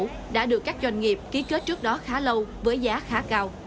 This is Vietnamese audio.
các doanh nghiệp đã được các doanh nghiệp ký kết trước đó khá lâu với giá khá cao